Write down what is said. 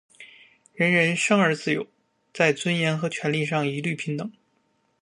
人人生而自由，在尊严和权利上一律平等。